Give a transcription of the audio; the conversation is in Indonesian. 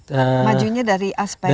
majunya dari aspek apa